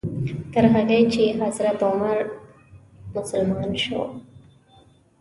تر هغې چې حضرت عمر مسلمان شو.